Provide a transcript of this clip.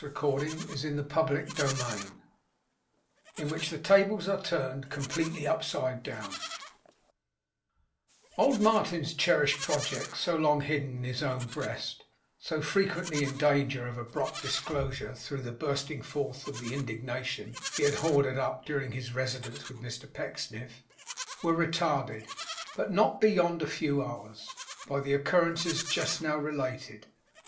Dead, dead, dead. CHAPTER FIFTY TWO IN WHICH THE TABLES ARE TURNED, COMPLETELY UPSIDE DOWN Old Martin's cherished projects, so long hidden in his own breast, so frequently in danger of abrupt disclosure through the bursting forth of the indignation he had hoarded up during his residence with Mr Pecksniff, were retarded, but not beyond a few hours, by the occurrences just now related.